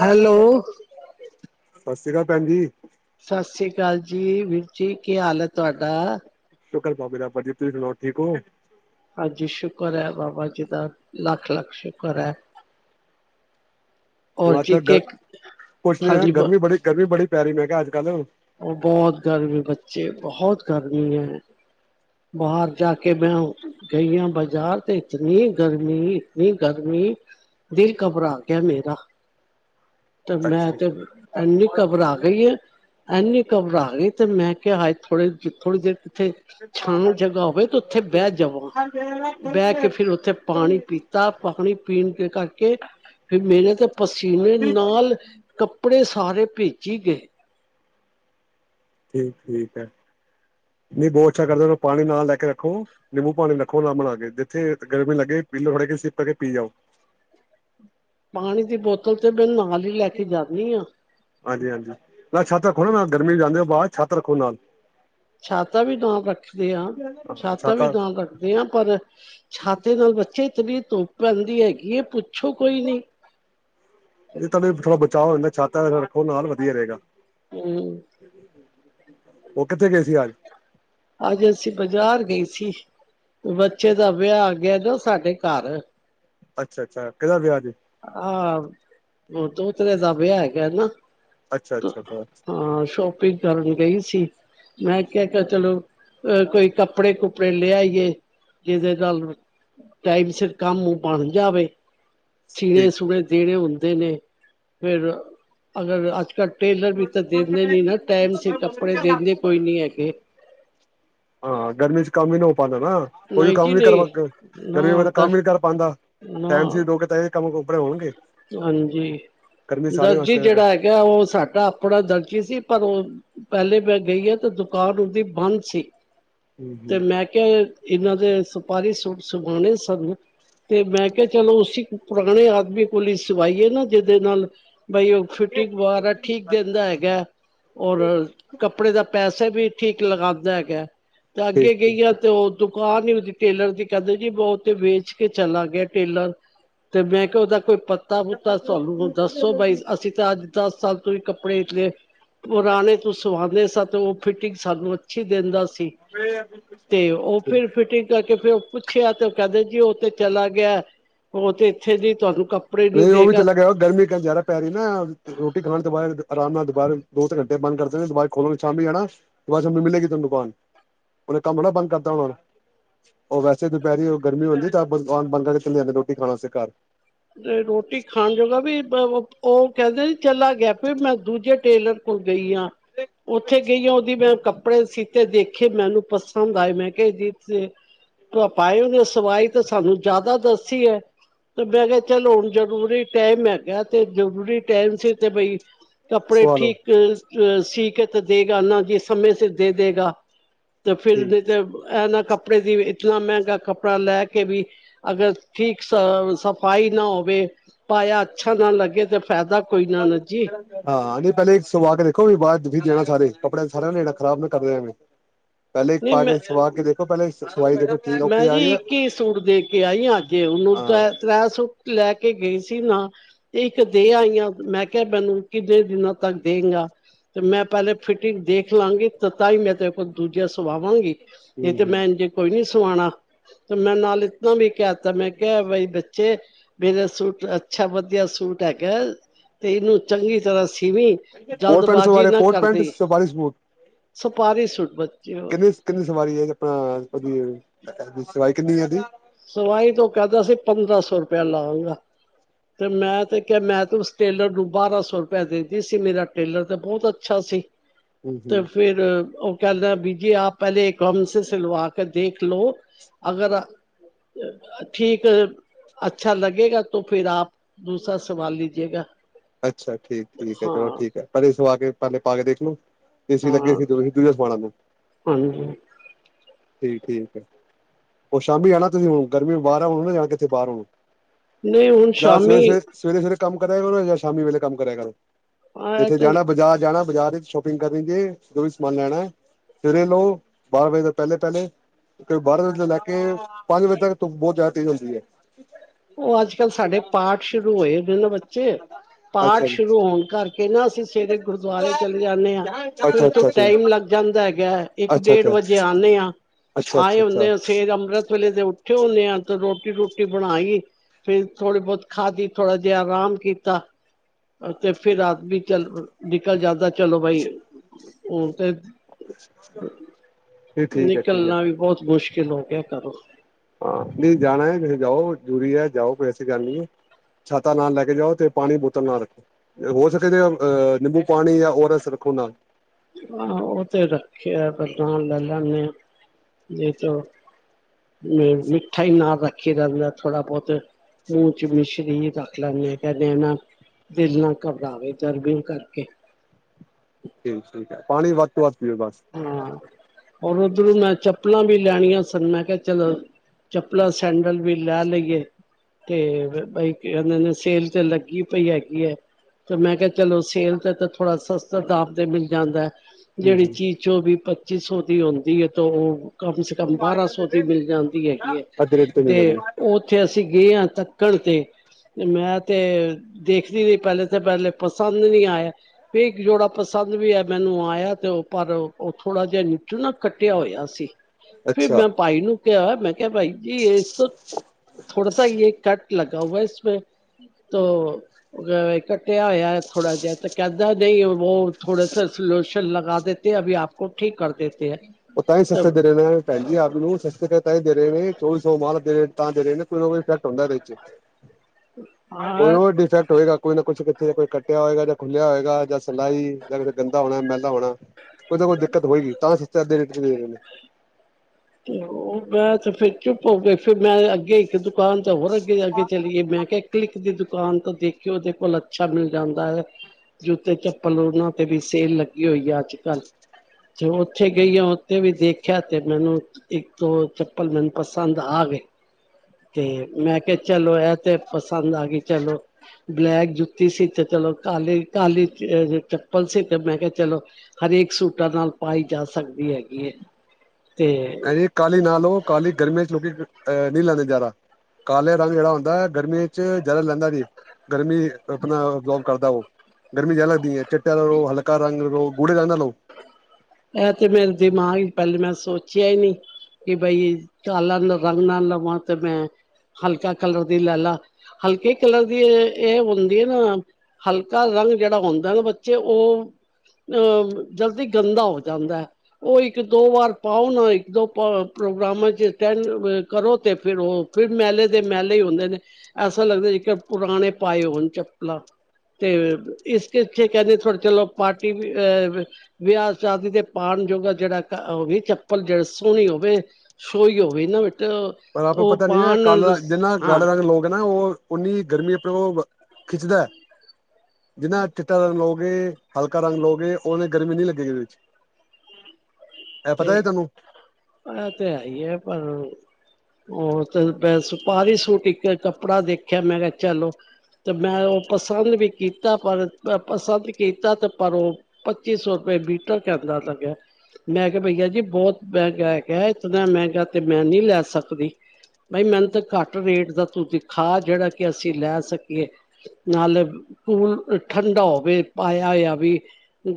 Hello. ਦਿਖਾ ਭੈਣਜੀ। [unintelligible] ਸਤਿ ਸ੍ਰੀ ਅਕਾਲ ਜੀ ਵੀਰ ਜੀ ਕੀ ਹਾਲ ਹੈ ਤੁਹਾਡਾ। ਸੁੱਕਰ ਬਾਬੇ ਦਾ ਭਾਬੀਜੀ ਤੁਸੀਂ ਸੁਣਾਓ ਠੀਕ ਹੋ। ਹਾਂਜੀ ਸ਼ੁਕਰ ਹੈ ਬਾਬਾ ਜੀ ਦਾ ਲੱਖ ਲੱਖ ਸ਼ੁਕਰ ਹੈ। ਔਰ ਉਹ ਜੀ ਏਧਰ ਕੇ ਗਰਮੀ ਕੁਛ ਨਹੀਂ ਹੈ ਹਾਂਜੀ ਗਰਮੀ ਬੜੀ ਗਰਮੀ ਬੜੀ। ਪੈ ਰਹੀ ਮੈਂ ਕਿਹਾ ਅੱਜ ਕੱਲ। ਉਹ ਬਹੁਤ ਗਰਮੀ ਬੱਚੇ ਬਹੁਤ ਗਰਮੀ। ਗਰਮੀ ਆ ਬਾਹਰ ਜਾ ਕੇ ਮੈਂ ਗਈ ਹਾਂ ਬਾਜ਼ਾਰ ਤੇ ਇਤਨੀ ਗਰਮੀ ਇਤਨੀ ਗਰਮੀ। ਦਿਲ ਘਬਰਾ ਗਿਆ ਮੇਰਾ। ਤੇ ਮੈਂ ਅੱਛਾ ਤੇ ਅੱਛਾ ਇਨੀ ਘਬਰਾ ਗਈ ਆ। ਇਨੀ ਘਬਰਾ ਗਈ ਤੇ ਮੈਂ ਕਿਹਾ ਹਾਏ ਥੋੜੇ ਥੋੜ੍ਹੀ ਦੇਰ। ਤੇ ਛਾਂ ਜਗ੍ਹਾ ਹੋਵੇ ਤੇ ਉੱਥੇ ਬਹਿ ਜਾਵਾਂ ਬਹਿ ਕੇ ਫਿਰ ਉੱਥੇ ਪਾਣੀ ਪੀਤਾ ਪਾਣੀ ਪੀਣ। ਜਿਦੇ ਕਰਕੇ ਫਿਰ ਮੇਰੇ ਤਾਂ। ਪਸੀਨੇ ਨਾਲ। ਕੱਪੜੇ ਸਾਰੇ ਭਿੱਜ ਹੀ ਗਏ। ਠੀਕ ਠੀਕ ਹੈ ਨਹੀਂ ਬਹੁਤ ਅੱਛਾ ਕਰਦੇ ਉਹਨੂੰ ਪਾਣੀ ਨਾਲ ਲੈ ਕੇ ਰੱਖੋ ਨਿੰਬੂ ਪਾਣੀ ਰੱਖੋ ਨਾ ਬਣਾ ਕੇ ਜਿੱਥੇ ਗਰਮੀ ਲੱਗੇ ਪੀਓ ਲੳ ਸਿਪ ਕਰ ਕੇ ਪੀ ਜਾਓ। ਪਾਣੀ ਦੀ ਬੋਤਲ ਤੇ ਬਿਨਾਂ। ਨਾਲ ਹੀ ਲੈ ਕੇ ਜਾਂਦੀ ਹਾਂ। ਹਾਂਜੀ ਹਾਂਜੀ। [unintelligible] ਬਾਅਦ ਛਾਤਾ ਰੱਖੋ ਨਾਲ ਛਾਤਾ ਵੀ ਦਾਨ ਰੱਖਦੇ ਆ ਛਾਤਾ ਵੀ ਦਾਨ ਰੱਖਦੇ ਆ ਪਰ ਛਾਤੇ ਨਾਲ ਬੱਚੇ ਧੁੱਪ ਪੈਂਦੀ ਹੈਗੀ ਇਹ ਪੁੱ ਤੁਹਾਡੇ ਥੋੜਾ ਬ ਚਾਹਓ। ਛਾਤਾ ਰੱਖੋ ਨਾਲ ਵਧੀਆ ਰਹੇਗਾ ਹੂੰ। ਉਹ ਕਿੱਥੇ ਗਏ ਸੀ ਅੱਜ ਅੱਜ ਅਸੀਂ ਬਾਜ਼ਾਰ ਗਏ ਸੀ ਬੱਚੇ ਦਾ ਵਿਆਹ ਆ ਗਿਆ ਨਾ ਸਾਡੇ ਘਰ ਅੱਛਾ ਅੱਛਾ ਕਿਹਦਾ ਵਿਆਹ ਜੇ ਆਹ ਉਹ ਦੋ ਤੇ ਦਾ ਵਿਆਹ ਹੈਗਾ ਨਾ ਅੱਛਾ ਅੱਛਾ ਠੀਕ ਹਾਂ, ਸ਼ੋਪਿੰਗ ਕਰਨ ਗਈ ਸੀ ਮੈਂ ਕਿਹਾ ਕੇ ਚਲੋ ਕੋਈ ਕੱਪੜੇ ਕੁਪੜੇ ਲਿਆਈਏ ਜਿਹਦੇ ਨਾਲ ਟਾਈਮ ਸਿਰ ਕੰਮ ਬਣ ਜਾਵੇ ਸੀਨੇ ਸੁਨੇ ਦੇਣੇ ਹੋਣ ਦੇਣੇ ਫਿਰ ਅਗਰ ਅੱਜ ਕੱਲ੍ਹ ਟੇਲਰ ਵੀ ਤਾਂ ਦਿੰਦੇ ਨੀ ਨਾ ਟਾਈਮ ਸਿਰ ਕੱਪੜੇ ਦਿੰਦੇ ਕੋਈ ਨੀ ਹੈਗੇ ਹਾਂ, ਗਰਮੀ ਚ ਕੰਮ ਹੀ ਨਾ ਪਾਂਦਾ ਨਾ ਉਹ ਵੀ ਨਹੀਂ ਕੰਮ ਜੀ ਵੀ [unintelligible] ਨਹੀਂ ਨਾ ਕੰਮ ਦਸ ਵੀ ਕਰ [unintelligible] ਨਾ ਟਾਈਮ ਸੀ ਦੋ ਕੰਮ [unintelligible] ਕੱਪੜੇ ਹੋਣਗੇ ਹਾਂਜੀ ਗਰਮੀ ਸਾਰਿਆਂ ਦਰਜੀ ਵਾਸਤੇ ਜਿਹੜਾ ਹੈਗਾ ਉਹ ਘਾਟਾ ਆਪਣਾ ਦਰਜੀ ਸੀ ਪਰ ਉਹ ਪਹਿਲੇ ਮੈਂ ਗਈ ਆ ਤੇ ਦੁਕਾਨ ਉਹਦੀ ਬੰਦ ਸੀ ਹੂੰ ਤੇ ਹੂੰ ਮੈਂ ਕਿਹਾ ਇਹਨਾਂ ਦੇ ਸੁਪਾਰੀ ਸੂਟ ਸਮਾਣੇ ਸਭ ਨੇ ਤੇ ਮੈਂ ਕਿਹਾ ਚਲੋ ਉਸ [unintelligible] ਪੁਲੀ ਸਵਾਈਏ ਨਾ ਜਿਹਦੇ ਨਾਲ ਬਈ ਉਹ ਫਿਟਿੰਗ ਵਗੈਰਾ ਠੀਕ ਦਿੰਦਾ ਹੈਗਾ ਔਰ ਕੱਪੜੇ ਦਾ ਪੈਸਾ ਪੈਸੇ ਵੀ ਠੀਕ ਲਗਾਂਦਾ ਹੈਗਾ ਤੇ ਠੀਕ ਅੱਗੇ ਠੀਕ ਗਈਆਂ ਤੇ ਉ ਆ ਨੀ ਉਹਦੀ ਟੇਲਰ ਦੀ ਕਹਿੰਦੇ ਜੀ ਮੈਂ ਉ ਤੇ ਵੇਚ ਕੇ ਚਲਾ ਗਿਆ ਟੇਲਰ ਤੇ ਮੈਂ ਕਿਹਾ ਉਹਦਾ ਕੋਈ ਪੱਤਾ ਪੁੱਤਾ ਤੁਹਾਨੂੰ ਦੱਸੋ ਬਾਈ ਅਸੀਂ ਤਾਂ ਅੱਜ ਦਸ ਚਾਲ ਤੋਂ ਵੀ ਕੱਪੜੇ [unintelligible] ਪੁਰਾਣੇ ਤੂੰ ਸਵਾਦੇ ਸਾ ਤੇ ਉਹ ਫਿਟਿੰਗ ਸਾਨੂੰ ਅੱਛੀ ਦਿੰਦਾ ਸੀ ਤੇ ਉਹ ਠੀਕ ਫਿਰ ਫਿਟਿੰਗ ਕਰਕੇ ਫਿਰ ਪੁੱਛਿਆ ਤੇ ਉਹ ਕਹਿੰਦੇ ਜੀ ਉਹ ਤੇ ਚਲਾ ਗਿਆ ਉਹ ਤੇ ਇੱਥੇ ਦੀ ਤੁਹਾਨੂੰ ਕੱ ਨਹੀਂ ਉਹ ਵੀ ਚਲਾ ਗਿਆ ਗਰਮੀ ਜ਼ਿਆਦਾ ਪੈ ਰਹੀ ਨਾ ਰੋਟੀ ਖਾਣ ਤੋਂ ਬਾਅਦ ਆਰਾਮ ਨਾਲ ਦੁਬਾਰਾ ਦੋ ਤਿੰਨ ਘੰਟੇ ਬੰਦ ਕਰਦੇ ਦੁਬਾਰਾ ਖੋਲੋਗੇ ਸ਼ਾਮੀ ਜਾਣਾ ਦੁਬਾਰਾ ਸ਼ਾਮ ਨੂੰ ਮਿਲੇਗੀ ਤੁਹਾਨੂੰ ਦੁਕਾਨ ਉਹਨੇ ਕੰਮ ਥੋੜਾ ਨਾ ਬੰਦ ਕਰਤਾ ਹੋਣਾ ਉਹ ਵੈਸੇ ਦੁਪਹਿਰੀ ਗਰਮੀ ਹੁੰਦੀ ਤਾਂ ਦੁਕਾਨ ਬੰਦ ਕਰਕੇ ਚਲੇ ਜਾਂਦੇ ਰੋਟੀ ਖਾਣ ਵਾਸਤੇ ਘਰ ਤੇ ਰੋਟੀ ਖਾਣ ਜੋਗਾ ਵੀ ਉਹ ਕਹਿੰਦੇ ਚਲਾ ਗਿਆ ਫਿਰ ਮੈਂ ਦੂਜੇ ਟੇਲਰ ਕੋਲ ਗਈ ਆ ਉੱਥੇ ਗਈ ਆ ਉਹਦੀ ਮੈਂ ਕੱ ਕੱਪੜੇ ਸੀਤੇ ਦੇਖੇ ਮੈਨੂੰ ਪਸੰਦ ਆਏ ਮੈਂ ਕਿਹਾ ਜੀ ਤੇ ਪਾਏ ਉਣੇ ਸਵਾਈ ਤਾਂ ਸਾਨੂੰ ਜ਼ਿਆਦਾ ਦਸੀ ਹੈ [unintelligible] ਚਲੋ ਹੁਣ ਜਰੂਰੀ ਟਾਈਮ ਹੈਗਾ ਤੇ ਜਰੂਰੀ ਟਾਈਮ ਸੀ ਤੇ ਬਈ ਕੱਪੜੇ ਸਵਾਲੋ ਠੀਕ ਅ ਸੀ ਕੇ ਤਾਂ ਦੇਗਾ ਨਾ ਜੀ ਸਮੇਂ ਸਿਰ ਦੇ ਦੇਗਾ ਠੀਕ [unintelligible] ਕੱਪੜੇ ਦੀ ਇਤਨਾ ਮਹਿੰਗਾ ਕੱਪੜਾ ਲੈ ਕੇ ਵੀ ਅਗਰ ਠੀਕ ਸਫ਼ਾਈ ਨਾ ਹੋਵੇ ਪਾਇਆ ਅੱਛਾ ਨਾ ਲੱਗੇ ਤੇ ਫਾਇਦਾ ਕੋਈ ਨਾ ਨਾ ਜੀ ਹਾਂ ਨਹੀਂ ਪਹਿਲੇ ਇੱਕ ਸੁਵਾ ਕੇ ਦੇਖੋ ਵੀ ਬਾਅਦ ਤੁਸੀਂ ਦੇਣਾ ਸਾਰੇ ਕੱਪੜਿਆਂ ਸਾਰਿਆਂ ਨੂੰ ਲੈਣਾ ਖਰਾਬ ਨਾ ਕਰਦੇਂ ਨਹੀਂ ਮੈਂ ਦੇਖੋ ਠੀਕ ਮੈਂ ਓਕੇ ਜੀ ਆਈ ਹੈ ਇੱਕ ਹੀ ਸੂਟ ਦੇ ਕੇ ਆਈ ਹ ਅੱਜੇ ਉਹਨੂੰ ਹਾਂ ਤ੍ਰੈ ਸੂਟ ਲੈ ਕੇ ਗਈ ਸੀ ਨਾ ਇੱਕ ਦੇ ਆਈ ਮੈਂ ਕਿਹਾ ਮੈਨੂੰ ਕਿੰਨੇ ਦਿਨਾਂ ਤੱਕ ਦੇਗਾ ਤੇ ਮੈਂ ਪਹਿਲੇ ਫਿਟਿੰਗ ਦੇਖ ਲਵਾਗੀ ਤੇ ਤਾਂ ਹੀ ਮੈਂ ਤੇਰੇ ਕੋਲ ਦੂਜੇ ਜੇ ਸੁਵਾਵਾਗੀ ਇਹ ਤੇ ਮੈਂ ਜੇ ਕੋਈ ਨੀ ਸਵਾਣਾ ਤੇ ਮੈਂ ਨਾਲ ਇਦਾਂ ਵੀ ਕਿਆ ਤਾਂ ਮੈਂ ਕਿਹਾ ਬਈ ਬੱਚੇ ਜੇ ਮੇਰਾ ਸੂਟ ਅੱਛਾ ਵਧੀਆ ਸੂਟ ਹੈਗਾ ਤੇ ਇਹਨੂੰ ਚੰਗੀ ਤਰ੍ਹਾਂ ਕਿਵੇਂ ਕੋਟ ਪੈਂਟ ਜਲਦਬਾਜ਼ੀ ਸਵਾਰੇ ਨਾ ਕੋਟ ਪੈਂਟ ਕਰਦੀ ਸਵਾਰੀ ਸੂਟ ਸੁਪਾਰੀ ਸੂਟ ਵਧੀਆ ਕਿੰਨੀ ਕਿੰਨੀ ਸਵਾਈ ਹੈ ਆਪਣਾ ਕਿੰਨੀ [unintelligible] ਸਵਾਈ ਤੋਂ ਕਿਆਦਾ ਸੀ ਪੰਦਰਾਂ ਸੌ ਸੋ ਰੁਪਿਆ ਲਾਗਾ ਤੇ ਮੈਂ ਤੇ ਕਿਹਾ ਮੈਂ ਤੇ ਉਸ ਟੇਲਰ ਨੂੰ ਬਾਰਾਂ ਸੌ ਰੁਪਿਆ ਦੇਦੀ ਸੀ ਮੇਰਾ ਟੇਲਰ ਤਾਂ ਬਹੁਤ ਅੱਛਾ ਸੀ ਤੇ ਹਮ ਫਿਰ ਉਹ ਕਹਿੰਦਾ ਬੀ ਜੀ ਆਪ ਪਹਿਲੇ ਕਮ ਸ ਸਿਲਵਾ ਕੇ ਦੇਖ ਲੋ ਅਗਰ, ਠੀਕ ਹੈ, ਅੱਛਾ ਲੱਗੇਗਾ ਫਿਰ ਆਪ ਦੂਸਰਾ ਸਵਾਲ ਲੀਏਗਾ, ਅੱਛਾ, ਠੀਕ ਠੀਕ ਹੈ ਚਲੋ ਠੀਕ ਹੈ ਪਹਿਲੇ ਸਵਾ ਕੇ ਪਹਿਲੇ ਪਾ ਕੇ ਦੇਖਲੋ। ਏਸੀ ਲੱਗੇ ਹਾਂ ਸੀ ਦੂਜ ਸਮਾਨ ਨੂੰ, ਹਾਂਜੀ। ਠੀਕ ਠੀਕ ਹੈ, ਉਹ ਸ਼ਾਮੀ ਜਾਣਾ ਤੁਸੀਂ ਹੁਣ ਗਰਮੀ ਬਾਹਰ ਆਣਾ ਨਾ ਜਾਣਾ ਕਿਥੇ ਬਾਹਰ ਹੋਣਾ, ਨਹੀਂ ਹੁਣ ਸ਼ਾਮੀ ਕੰਮ ਕਦੇ ਵੀ ਹੋ ਜਾ ਸ਼ਾਮੀ ਵੇਲੇ ਕੰਮ ਕਰਿਆ ਕਰੋ। ਆਇਆ ਜਿੱਥੇ ਤੇ ਜਾਣਾ ਬਾਜ਼ਾਰ ਜਾਣਾ, ਬਾਜ਼ਾਰ ਵਿੱਚ ਸ਼ੋਪਿੰਗ ਕਰਨੀ ਜੇ ਜੋ ਵੀ ਸਮਾਨ ਲੈਣਾ ਸਵੇਰੇ ਲਓ ਬਾਰਾਂ ਵਜੇ ਤੋਂ ਪਹਿਲੇ ਪਹਿਲੇ ਕਈ ਬਾਰਾਂ ਵਜੇ ਤੋਂ ਲੈ ਕੇ ਪੰਜ ਵਜੇ ਤੱਕ ਤੂੰ ਬਹੁਤ ਜਾ [unintelligible] ਉਹ ਅੱਜ ਕੱਲ੍ਹ ਸਾਡੇ ਪਾਠ ਸ਼ੁਰੂ ਹੋਏ ਹੋ ਨਾ ਬੱਚੇ, ਪਾਠ ਅੱਛਾ ਜੀ ਸ਼ੁਰੂ ਹੋਣ ਕਰਕੇ ਨਾ ਅਸੀਂ ਸਵੇਰੇ ਗੁਰਦੁਆਰੇ ਚਲੇ ਜਾਨੇ ਹਾਂ, ਅੱਛਾ ਫਿਰ ਅੱਛਾ ਉੱਥੋਂ ਅੱਛਾ ਟਾਈਮ ਲੱਗ ਜਾਂਦਾ ਅੱਛਾ ਹੈਗਾ ਇੱਕ ਅੱਛਾ ਡੇਢ ਵਜੇ ਆਨੇ ਹਾਂ, ਅੱਛਾ ਆਏ ਅੱਛਾ ਅੱਛਾ ਹੁੰਦੇ ਆ ਸਵੇਰ ਅੰਮ੍ਰਿਤ ਵੇਲੇ ਦੇ ਉ ਇਕੱਠੇ ਹੁਨੇ ਆ ਤੇ ਰੋਟੀ ਰੋਟੀ ਬਣਾਈ ਫਿਰ ਥੋੜ੍ਹੀ ਬਹੁਤ ਖਾਧੀ ਥੋੜ੍ਹਾ ਜਿਹਾ ਆਰਾਮ ਕੀਤਾ, ਤੇ ਫਿਰ ਰਾਤ ਵੀ ਚੱਲ ਨਿਕਲ ਜਾਂਦਾ ਚਲੋ ਬਾਈ, ਹੁਣ ਤੇ ਨਹੀਂ ਠੀਕ ਹੈ ਠੀਕ ਹੈ ਨਿਕਲਣਾ ਵੀ ਬਹੁਤ ਮੁਸ਼ਕਿਲ ਹੋ ਗਿਆ ਘਰੋ। ਹਾਂ, ਨਹੀਂ ਜਾਣਾ ਤੁਸੀਂ ਜਾਓ ਜ਼ੂਰੀ ਹੈ ਜਾਓ ਕੋਈ ਐਸੀ ਗੱਲ ਨਹੀਂ ਹੈ, ਛਾਤਾਂ ਨਾਲ ਲੈ ਕੇ ਜਾਓ ਤੇ ਪਾਣੀ ਬੋਤਲ ਨਾਲ ਰੱਖੋ, ਹੋ ਸਕੇ ਤਾਂ ਅਹ ਨਿੰਬੂ ਪਾਣੀ ਜਾਂ ਔਰ ਰੱਖੋ ਨਾਲ ਹਾਂ ਉਹ ਤੇ ਰੱਖਿਆ ਪ੍ਰਧ ਲੈਲਾਂ ਨੇ, ਜੇਤੋਂ, ਮੇ ਮਿੱਠਾਈ ਨਾ ਗ ਖੀ ਰਹਿੰਦਾ ਥੋੜ੍ਹਾ ਬਹੁਤ ਮੂੰਹ ਚ ਮਿਸ਼ਰੀ ਰੱਖ ਲੈਂਦੇ ਆ ਕਹਿੰਦੇ ਨਾ, ਦਿਲ ਨਾਲ ਘਬਰਾਵੇ ਤਰਬਓ ਕਰਕੇ, ਠੀਕ ਠੀਕ ਹੈ ਪਾਣੀ ਵੱਧ ਤੋਂ ਵੱਧ ਪੀਓ ਬਸ ਹਾਂ, ਉਹ ਉਧਰੋਂ ਮੈਂ ਚੱਪਲਾਂ ਵੀ ਲੈਣੀਆਂ ਸਨ ਮੈਂ ਕਿਹਾ ਚਲੋ, ਚੱਪਲਾਂ ਸੈਂਡਲ ਵੀ, ਲੈ ਲਈਏ ਤੇ ਬਈ ਕਹਿੰਦੇ ਨੇ ਸੇਲ ਤੇ ਲੱਗੀ ਪਈ ਹੈਗੀ ਹੈ, ਤੇ ਮੈਂ ਕਿਹਾ ਚਲੋ ਸੇਲ ਤੇ ਤਾਂ ਥੋੜ੍ਹਾ ਸਸਤਾ ਦਾਮ, ਤੇ ਮਿਲ ਜਾਂਦਾ। ਹਮ ਜਿਹੜੀ ਹਮ ਚੀਜ਼ ਪੱਚੀ ਸੌ ਦੀ ਆਉਂਦੀ ਹੈ ਤਾਂ ਉਹ ਕਮ ਸੇ ਕਮ ਬਾਰਾਂ ਸੌ ਦੀ ਮਿਲ ਜਾਂਦੀ ਹੈਗੀ ਹੈ ਅੱਧੇ ਰੇਟ ਨਹੀਂ ਤੇ ਜਾਂਦੀ ਉੱਥੇ ਅਸੀਂ ਗ ਹ ਤੱਕਣ ਤੇ ਮੈਂ ਤੇ ਦੇਖਦੀ ਰ ਪਹਿਲੇ ਤਾਂ ਪਹਿਲੇ ਪਸੰਦ ਨਹੀਂ ਆਇਆ ਵੀ ਜੋੜਾ ਪਸੰਦ ਵੀ ਆ ਮੈਨੂੰ ਆਇਆ ਤੇ ਉਹ ਪਰ ਉਹ ਥੋੜਾ ਜਿਹਾ ਨਿੱਚੂ ਨਾ ਕੱਟਿਆ ਹੋਇਆ ਸੀ ਫਿਰ ਅੱਛਾ ਮੈਂ ਪਾਈ ਨੂੰ ਕਿਆ ਮੈਂ ਕਿਹਾ ਭਾਈ ਜੀ ਇਹ ਥੋੜਾ ਇਹ ਕੱਟ ਲੱ ਵੈਸਟ ਇਕੱ ਟਿਆ ਹੋਇਆ ਥੋੜਾ ਜਿਹਾ ਤਾਂ ਕਹਿੰਦਾ ਨਹੀਂ ਉਹ ਬਹੁਤ [inaudible] ਲਗਾਦੇਤੇ ਅਭ ਆਪ ਉਹ ਠੀਕ ਕਰਦੇ ਉਹ ਤਾਂ ਹੀ ਸਸਤੇ ਦੇ ਰਹੇ ਨੇ ਭੈਣ ਜੀ ਆਪ ਨੂੰ ਸਸਤੇ ਤੇ ਤਾਂ ਹੀ ਦੇ ਰਹੇ ਨੇ ਚੌਵੀ ਸੌ ਮ ਦੇ ਤਾਂ ਦੇ ਰਹੇਦੇ ਕੋਈ ਨਾ ਕੋਈ ਘੱਟ ਹੁੰਦਾ ਇਹਦੇ ਵਿੱਚ ਕੋਈ ਹੋ ਡਿਫੈਕਟ ਹੋਏਗਾ ਕੋਈ ਨਾ ਕੁਛ ਇੱਥੇ ਕੋਈ ਕੱਟਿਆ ਹੋਏਗਾ ਜਾਂ ਖੁੱਲਿਆ ਹੋਏਗਾ ਜਾਂ ਸਿਲਾਈ ਜਾਂਤੇ ਗੰਦਾ ਹੋਣਾ ਮਹਿਲਾ ਹੋਣਾ ਕੁੱ ਨਾ ਕੁਝ ਦਿੱਕਤ ਹੋਏਗੀ ਤਾਂ ਸਟ ਦੇ ਰਹੇ ਨੇ ਤੇ ਉਹ ਮੈਂ ਤੇ ਫੇਿਰ ਚੁੱਪ ਹੋ ਗ ਫਿਰ ਮੈਂ ਅੱਗੇ ਇੱਕ ਦੁਕਾਨ ਚ ਹੋਰ ਅੱਗੇ ਅਗੇ ਚਲੀਏ ਮੈਂ ਕਿਹਾ ਕਲਿੱ ਦੀ ਦ ਦੁਕਾਨ ਤਾਂ ਦੇਖਿਓ ਉਹਦੇ ਕੋਲ ਅੱਛਾ ਮਿਲ ਜਾਂਦਾ ਹੈ ਜੁਤੇ ਚੱਪਲ ਉਹਨਾਂ ਤੇ ਵੀ ਸੇਲ ਲੱਗੀ ਹੋਈ ਆ ਅੱਜ ਕੱਲ ਤੇ ਉੱਥੇ ਗਈ ਆ ਉੱਥੇ ਵੀ ਦੇਖਿਆ ਤੇ ਮੈਨੂੰ ਇੱਕ ਦੋ ਚੱਪਲ ਮੈਨੂੰ ਪਸੰਦ ਆ ਗਏ ਤੇ ਮੈਂ ਕਿਹਾ ਚਲੋ ਇਹ ਤੇ ਪਸੰਦ ਆ ਗਈ ਚਲੋ ਬਲੈਕ ਜੁੱਤੀ ਸੀ ਤੇ ਚਲੋ ਕੀ ਕਾਲੀ ਚੱਪਲ ਸੀ ਤੇ ਮੈਂ ਕਿਹਾ ਚਲੋ ਹਰੇਕ ਸੂਟਾਂ ਨਾਲ ਪਾਈ ਜਾ ਸਕਦੀ ਹੈਗੀ ਹੈ ਤੇ ਅਰੇ ਕਾਹਲੀ ਨਾ ਲਓ ਕਾਹਲੀ ਗਰਮੀਆਂ ਚ ਲੋਕੀ ਅਹ ਨਹੀਂ ਲੈਂਦੇ ਜ਼ਿਆਦਾ ਕਾਲੇ ਰੰਗ ਜਿਹੜਾ ਹੁੰਦਾ ਗਰਮੀੀਆਂ ਚ ਜ਼ਿਆਦਾ ਲੈਂਦਾ ਜੀ ਗਰਮੀ ਆਪਣਾ ਬਜੋਰਵ ਕਰਦਾ ਉਹ ਗਰਮੀ ਜਿਆਦਾ ਲੱਗਦੀ ਹੈ ਚਿੱਟਿਆ ਨੂੰੋ ਹਲਕਾ ਰੰਗ ਨੂੰੋ ਗੂੜੇ ਕਰਦਾ ਲਓ ਇਹ ਤੇ ਮੇਰੇ ਦਿਮਾਗ ਪਹਿਲੇ ਮੈਂ ਸੋਚਿਆ ਹੀ ਨੀ ਕਿ ਬਈ ਕਾਲਾ ਰੰਗ ਨਾ ਲਵਾਂ ਤੇ ਮੈਂ ਹਲਕਾ ਕਲਰ ਦੀ ਲੈ ਲਾ ਹਲਕੇ ਕਲਰ ਦੀ ਇਹ ਹੁੰਦੀ ਹੈ ਨਾ ਹਲਕਾ ਰੰਗ ਜਿਹੜਾ ਹੁੰਦਾ ਨਾ ਬੱਚੇ ਉਹ ਅ ਜਲਦੀ ਗੰਦਾ ਹੋ ਜਾਂਦਾ ਉਹ ਇੱਕ ਦੋ ਵਾਰ ਪਾਓ ਨਾ ਇੱਕ ਦੋ ਪ੍ਰੋਗਰਾਮਾਂ ਚ ਅਟੈਂਡ ਕਰੋ ਤੇ ਫਿਰ ਉਹ ਫਿਰ ਮੈਲੇ ਦੇ ਮੈਲੇ ਹੀ ਹੁੰਦੇ ਨੇ ਐਸਾ ਲੱਗਦਾ ਜਕਰ ਪੁਰਾਣੇ ਪਾਏ ਹੁਣ ਚੱਪਲਾਂ ਤੇ ਇਸਛੇ ਕਹਿੰਦੇ ੋੜੇ ਚਲੋ ਪਾਰਟੀ ਅਹ ਵਿਆਹ ਦੀ ਤੇ ਪਾਣ ਜੋਗਾ ਜਿਹੜਾ ਹੋਵੇ ਚੱਪਲ ਜਿਹੜੇ ਸੋਹਣੀ ਹੋਵੇ ਸੋਈ ਹੋਵੇ ਨਾ ਪਰ ਆਪੇ ਉਹ ਪਤਾ ਨੀ ਹੈ ਪਾਣ ਕਾਲ ਨਾਲ ਜਿੰਨਾ ਹਾਂ ਗਾਲੇ ਰੰਗ ਲੋਕ ਹੈ ਨਾ ਉਹ ਉਨੀ ਗਰਮੀ ਆਪ ਖਿੱਚਦਾ ਦਿਨ ਚਿੱਟਾਰਗ ਜੇ ਹਲਕਾ ਰੰਗ ਲੋਗੇ ਉਹਨੇ ਗਰਮੀ ਨਹੀਂ ਲੱਗੀ ਇਹਦੇ ਵਿੱਚ ਵਿੱਚ ਇਹ ਤੇ ਪਤਾ ਹੈ ਤੁਹਾਨੂੰ ਆ ਤੇ ਹੈਈ ਹੈ। ਪਰ ਉਹ ਤੇ, ਮੈਂ ਸੁਪਾਰੀ ਸੂਟ ਇੱਕ ਕੱਪੜਾ ਦੇਖਿਆ, ਮੈਂ ਕਿਹਾ ਚਲੋ ਤੇ ਮੈਂ ਉਹ ਪਸੰਦ ਵੀ ਕੀਤਾ ਪਰ ਪਸੰਦ ਕੀਤਾ ਤੇ ਪਰ ਉਹ ਪੱਚੀ ਸੌ ਰੁਪਏ ਮੀਟਰ ਕਹਿੰਦਾ ਲੱਗੇਗਾ ਮੈਂ ਕਿਹਾ, ਬਈਆ ਜੀ ਬਹੁਤ ਮਹਿੰਗਾ ਹੈਗਾ ਇਤਨਾ ਮਹਿੰਗਾ ਤੇ ਮੈਂ ਨਹੀਂ ਲੈ ਸਕਦੀ। ਬਾਈ ਮੈਨੂੰ ਤਾਂ ਘੱਟ ਰੇਟ ਦਾ ਤੂੰ ਦਿਖਾ, ਜਿਹੜਾ ਕਿ ਅਸੀਂ ਲੈ ਸਕੀਏ ਨਾਲ ਕੂਲ ਠੰਡਾ ਹੋਵੇ ਪਾਇਆ ਹੋਇਆ ਵੀ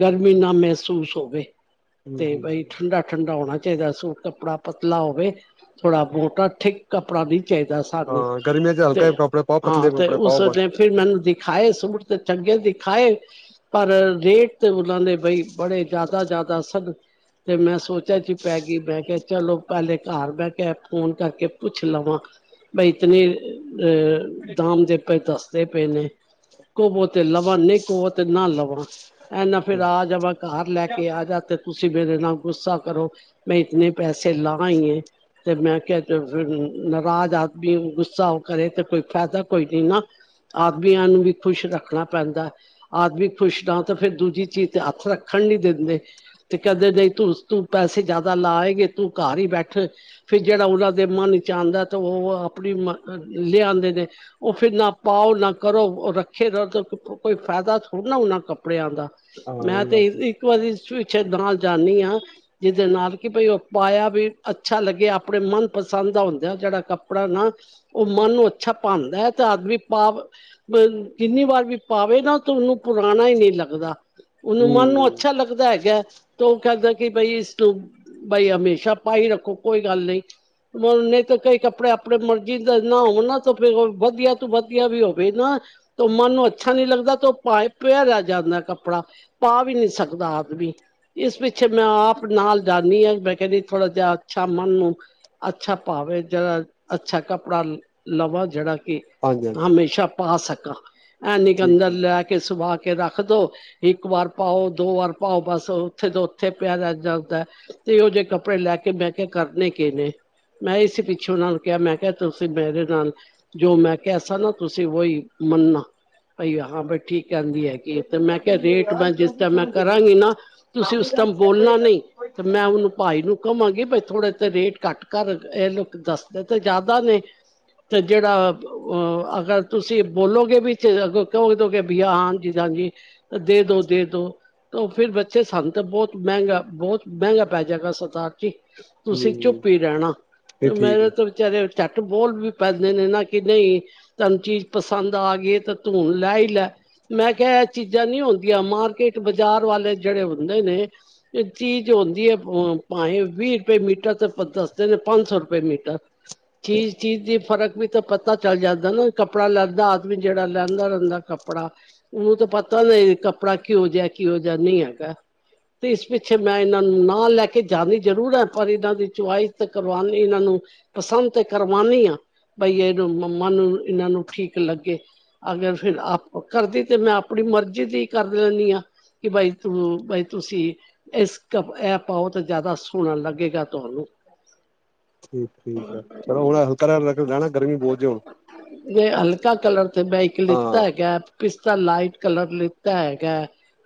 ਗਰਮੀ ਨਾ ਮਹਿਸੂਸ ਹੋਵੇ। ਹੂੰ ਤੇ ਹੂੰ ਬਈ ਹੂੰ ਠੰਡਾ- ਠੰਡਾ ਹੋਣਾ ਚਾਹੀਦਾ ਬੱਚੇ ਦਾ ਸੂਟ ਕੱਪੜਾ ਪਤਲਾ ਹੋਵ, ਥੋੜਾ ਮੋਟਾ ਠੀਕ ਕੱਪੜਾ ਨੀ ਚਾਹੀਦਾ, ਸਾਨੂੰ ਹਾਂ ਗਰਮੀਆਂ ਚ ਹਲਕੇ ਤੇ ਕੱਪੜੇ ਪਾਓ ਹਾਂ ਪਤਲੇ ਤੇ ਕੱਪੜੇ ਪਾਓ ਬਸ ਉਸਨੇ ਫਿਰ ਮੈਨੂੰ ਦਿਖਾਏ ਸੂਟ ਤੇ ਚੰਗੇ ਦਿਖਾਏ, ਪਰ ਰੇਟ ਤੇ ਉਹਨਾਂ ਨੇ ਬਈ ਬੜੇ ਜ਼ਿਆਦਾ ਜ਼ਿਆਦਾ ਸਨ ਫਿਰ ਮੈਂ ਸੋਚਿਆ ਚ'ਪੈ ਗਈ ਮੈਂ ਕਿਹਾ, ਚਲੋ ਪਹਿਲੇ ਘਰ ਬਹਿ ਕੇ ਫੋਨ ਕਰਕੇ ਪੁੱਛ ਲਵਾਂ ਬਈ ਇਤਨੀ ਦਾਮ ਦੇ ਪਏ ਦੱਸਦੇ, ਪਏ ਨੇ ਕਵੋ ਤੇ ਲਵਾਂ ਨਹੀਂ ਕਵੋ ਤੇ ਨਾ ਲਵਾ ਇੰਨਾ ਫੇਰ ਆ ਜਾਵਾਂ ਘਰ ਲੈ ਕੇ ਆ ਜਾ ਤੇ ਤੁਸੀਂ ਮੇਰੇ ਨਾਲ ਗੁੱਸਾ ਕਰੋ, ਮੈਂ ਇੰਨੇ ਪੈਸੇ ਲਾ ਆਈ ਏ ਫਿਰ ਮੈਂ ਕਿਹਾ, ਨਾਰਾਜ ਆਦਮੀ ਗੁੱਸਾ ਕਰੇ ਤੇ ਕੋਈ ਫਾਇਦਾ ਕੋਈ ਨਹੀਂ, ਨਾ ਆਦਮੀਆ ਨੂੰ ਵੀ ਖੁਸ਼ ਰੱਖਣਾ ਪੈਂਦਾ, ਆਦਮੀ ਖੁਸ਼ ਤਾਂ ਫਿਰ ਦੂਜੀ ਚੀਜ਼ ਤੇ ਹੱਥ ਰੱਖਣ ਲਈ ਦਿੰਦੇ ਤੇ ਕਹਿੰਦੇ, ਨਹੀਂ ਤੂੰ ਤੂੰ ਪੈਸੇ ਜ਼ਿਆਦਾ ਲਾ ਆਈ, ਏ ਤੂੰ ਘਰ ਹੀ ਬੈਠ ਫਿਰ ਜਿਹੜਾ ਉਹਨਾਂ ਦੇ ਮਨ ਚ ਆਉਂਦਾ 'ਤੇ ਉਹ ਆਪਣੀ ਲਿਆਦੇ ਨੇ ਉਹ ਫਿਰ ਨਾ ਪਾਓ ਨਾ ਕਰੋ ਉਹ ਰੱਖੇ ਰ ਕੋਈ ਫਾਇਦਾ ਥੋੜ੍ਹਾ ਨਾ ਉਹਨਾਂ ਕੱਪੜਿਆਂ ਦਾ ਹਾਂ ਇਹ ਮੈਂ ਵੀ ਤੇ ਬਾਤ ਹੈ ਇੱਕ ਵਾਰੀ ਥਰੀ ਅੱਛਿਆ ਨਾਲ ਜਾਂਦੀ ਹਾਂ, ਜਿਹਦੇ ਨਾਲ ਕਿ ਭਾਈ ਉਹ ਪਾਇਆ ਵੀ ਅੱਛਾ ਲੱਗੇ ਆਪਣੇ ਮਨ ਪਸੰਦ ਦਾ ਹੁੰਦਾ, ਜਿਹੜਾ ਕੱਪੜਾ ਨਾ ਉਹ ਮਨ ਨੂੰ ਅੱਛਾ ਪਾਉਂਦਾ ਹੈ 'ਤੇ ਆਦਮੀ ਪਾ ਜਿੰਨੀ ਵਾਰ ਵੀ ਪਾਵੇ ਨਾ ਤੇ ਉਹਨੂੰ ਪੁਰਾਣਾ ਹੀ ਨਹੀਂ ਲੱਗਦਾ ਉਹਨੂੰ ਹੂੰ ਮਨ ਨੂੰ ਅੱਛਾ ਲੱਗਦਾ ਹੈ [inaudible] ਤੇ ਉਹ ਕਹਿੰਦਾ, ਕਿ ਬਈ ਇਸਨੂੰ ਬਈ ਹਮੇਸ਼ਾ ਪਾ ਹੀ ਰੱਖੋ ਕੋਈ ਗੱਲ ਨਹੀਂ ਉਨੇ ਤਾਂ ਕਈ ਕੱਪੜੇ ਆਪਣੇ ਮਰਜੀਂ ਦੇ ਨਾ ਹੋਣ ਨਾ ਤੇ ਫਿਰ ਵਧੀਆ ਤੂੰ ਵਧੀਆ ਵੀ ਹੋਵੇ ਨਾ ਤੇ ਮਨ ਨੂੰ ਅੱਛਾ ਨੀ ਲੱਗਦਾ ਤੇ ਉਹ ਪਾਏ ਪਿਆ ਰਹਿ ਜਾਂਦਾ ਕੱਪੜਾ ਪਾ ਵੀ ਨਹੀਂ ਸਕਦਾ ਆਦਮੀ, ਇਸ ਪਿੱਛੇ ਮੈਂ ਆਪ ਨਾਲ ਜਾਦੀ ਹਾਂ, ਮੈਂ ਕਹਿੰਦੀ ਥੋੜਾ ਜਿਹਾ ਅੱਛਾ ਮਨ ਨੂੰ ਅੱਛਾ ਭਵੇ ਜਿਹੜਾ ਅੱਛਾ ਕੱਪੜਾ ਲਵਾਂ ਜਿਹੜਾ, ਕਿ ਹਾਂਜੀ ਹਾਂਜੀ ਹਮੇਸ਼ਾ ਪਾ ਸਕਾ ਕ ਐਨੀ ਕ ਠੀਕ ਅੰਦਰ ਠੀਕ ਲੈ ਕੇ ਸਵਾ, ਲੈਕੇ ਰੱਖ ਦੋ ਇੱਕ ਵਾਰ ਪਾਓ ਦੋ ਵਾਰ ਪਾਓ ਬਸ, ਉੱਥੇ ਦਾ ਉੱਥੇ ਪਿਆ ਰਹਿ ਜਾਂਦਾ। ਤੇ ਇਹੋ ਜਿਹੇ ਕੱਪੜੇ ਲੈਕੇ ਮੈਂ ਕਿਹਾ ਕਰਨੇ ਕਿ ਨੇ ਮੈਂ ਇਸ ਪਿੱਛੇ ਉਹਨਾਂ ਨੂੰ ਕਿਹਾ ਮੈਂ ਕਿਹਾ ਤੁਸੀਂ ਮੇਰੇ ਨਾਲ ਜੋ ਮੈਂ ਕਿਹਾ ਸਾ ਨਾ ਤੁਸੀਂ ਉਹੀ ਮੰਨਣਾ ਭਾਈ ਹਾਂ ਬੈਠੀ, ਕਹਿੰਦੀ ਹੈਗੀ ਏ 'ਤੇ ਮੈਂ ਕਿਹਾ ਰੇਟ ਮੈਂ ਜਿਸ ਟਾਈਮ ਮੈਂ ਕਰਾਂਗੀ ਨਾ। ਤੁਸੀਂ ਉਸ ਟਾਈਮ ਬੋਲਣਾ ਨਹੀਂ ਤੇ ਮੈਂ ਉਹਨੂੰ ਭਾਈ ਨੂੰ ਕਵਾਂ ਕਹਿੰਦੀ ਪਈ ਥੋੜੇ ਜਿਹਾ ਤਾਂ ਰੇਟ ਘੱਟ ਕਰ ਇਹ ਲੋਕ ਦੱਸਦੇ ਤੇ ਜ਼ਿਆਦਾ ਨੇ ਤੇ ਜਿਹੜਾ ਅਗਰ ਤੁਸੀਂ ਬੋਲੋਗੇ ਵਿੱਚ ਕਹਿਦੋਗੇ ਬਈਆ ਹਾਂਜੀ -ਹਾਂਜੀ ਦੇ ਦੋ ਦੇ ਦੋ ਤੇ ਫਿਰ ਅੱਛਾ, ਸਾਨੂੰ ਬਹੁਤ ਮਹਿੰਗਾ ਬਹੁਤ ਮਹਿੰਗਾ ਪੈਜੇਗਾ ਸਰਦਾਰ ਜਾ, ਤੁਸੀਂ ਹੂੰ ਚੁੱਪ ਹੀ ਰਹਿਣਾ, ਇਹ ਤੇ ਠੀਕ ਮੇਰੇ ਹੈ ਤਾਂ ਵਿਚਾਰੇ, ਝੱਟ ਬੋਲ ਵੀ ਪੈਂਦੇ ਨੇ, ਨਾ ਕਿ ਨਹੀਂ ਤੈਨੂੰ ਚੀਜ਼ ਪਸੰਦ ਆ ਗਈ ਤਾਂ ਤੂੰ ਲੈ ਹੀ ਲੈ ਮੈਂ ਕਿਹਾ ਇਹ ਚੀਜ਼ਾਂ ਨਹੀਂ ਹੁੰਦੀਆਂ ਮਾਰਕੀਟ ਬਾਜ਼ਾਰ ਵਾਲੇ ਜਿਹੜੇ ਬੰਦੇ ਨੇ ਚੀਜ਼ ਆਉਂਦੀ ਹੈ ਭਾਵੇਂ ਵੀਹ ਰੁਪਏ ਮੀਟਰ ਤਾਂ ਦੱਸਦੇ ਨੇ ਪੰਜ ਸੌ ਰੁਪਏ ਮੀਟਰ ਚੀਜ਼ ਚੀਜ਼ ਦੀ ਫਰਕ ਵੀ ਤਾਂ ਪਤਾ ਚੱਲ ਜਾਂਦਾ ਨਾ ਕੱਪੜਾ ਲੈਂਦਾ ਆਦਮੀ ਜਿਹੜਾ ਲੈਂਦਾ ਰਹਿੰਦਾ ਕੱਪੜਾ ਉਹਨੂੰ ਤਾਂ ਪਤਾ ਨਹੀਂ ਕੱਪੜਾ ਕਿਹੋ ਜਿਹਾ ਕੀ ਹੋ ਜਿਹਾ ਨਹੀਂ ਹੈਗਾ ਤੇ ਇਸ ਪਿੱਛੇ ਮੈਂ ਇਹਨਾਂ ਨੂੰ ਨਾ ਲੈ ਕੇ ਜਾਂਦੀ ਜ਼ਰੂਰ ਹੈ। ਪਰ ਇਹਨਾਂ ਦੀ ਚੁਇਸ ਤੇ ਕਰਵਾਉਣੀ, ਇਹਨਾਂ ਨੂੰ ਪਸੰਦ ਤੇ ਕਰਵਾਉਦੀ ਹਾਂ ਬਈ ਇਹਨੂੰ ਮੰਮਾ ਨੂੰ ਇਹਨਾਂ ਨੂੰ ਠੀਕ ਲੱਗੇ, ਅਗਰ ਫਿਰ ਆਪ ਕਰਦੀ ਤੇ ਮੈਂ ਆਪਣੀ ਮਰਜ਼ੀ ਦੀ ਕਰ ਲੈਂਦੀ ਹਾਂ। ਕਿ ਬਾਈ ਤੂੰ ਬਾਈ ਤੁਸੀਂ ਇਸ ਕ ਇਹ ਪਾਓ ਤਾਂ ਜ਼ਿਆਦਾ ਸੋਹਣਾ ਲੱਗੇਗਾ ਤੁਹਾਨੂੰ, ਠੀਕ ਠੀਕ ਹੈ ਚਲੋ ਹੁਣ ਹਲਕਾ ਰਹਿਣਾ ਗਰਮੀ ਬਹੁਤ ਜੇ ਹੁਣ ਜੇ ਮੈਂ ਹਲਕਾ ਕਲਰ ਤੇ ਮੈਂ ਇੱਕ ਲਿੱਤਾ ਹਾਂ ਹੈਗਾ ਪਿਸਤਾ ਲਾਈਟ ਕਲਰ ਲਿੱਤਾ ਹੈਗਾ